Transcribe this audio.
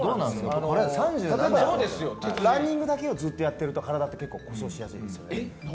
ランニングだけをずっとやっていると体って結構、故障しやすいんですね。